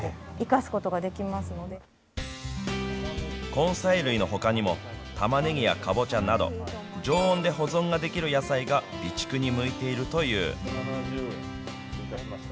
根菜類のほかにも、タマネギやカボチャなど、常温で保存ができる野菜が備蓄に向いているという。